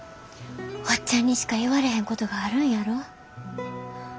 おっちゃんにしか言われへんことがあるんやろ？